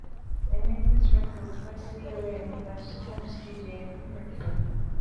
I made this record mostly alone in my small studio in Brooklyn.